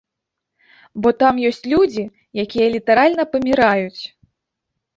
Бо там ёсць людзі, якія літаральна паміраюць!